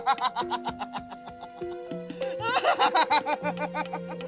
kenapa kami berdua sampai ke tempat ini